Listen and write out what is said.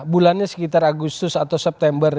bulannya sekitar agustus atau september